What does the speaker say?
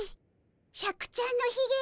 シャクちゃんのひげ？